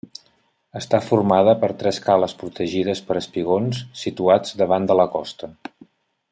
Està formada per tres cales protegides per espigons situats davant de la costa.